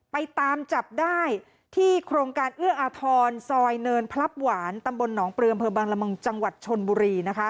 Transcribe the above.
ไปตามจับได้ที่โครงการเอื้ออาทรซอยเนินพลับหวานตำบลหนองปลืออำเภอบังละมุงจังหวัดชนบุรีนะคะ